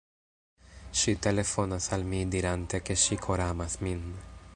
Ŝi telefonas al mi dirante ke ŝi koramas min